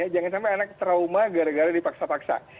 jangan sampai anak trauma gara gara dipaksa paksa